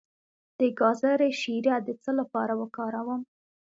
د ګازرې شیره د څه لپاره وکاروم؟